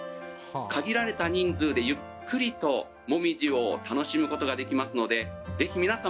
「限られた人数でゆっくりと紅葉を楽しむ事ができますのでぜひ皆様